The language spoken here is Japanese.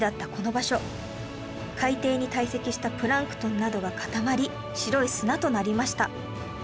海底に堆積したプランクトンなどが固まり白い砂となりました